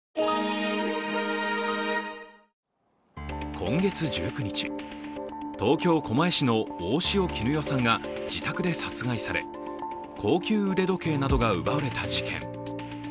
今月１９日、東京・狛江市の大塩衣与さんが自宅で殺害され、高級腕時計などが奪われた事件。